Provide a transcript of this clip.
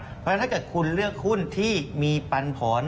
เพราะฉะนั้นถ้าเกิดคุณเลือกหุ้นที่มีปันผล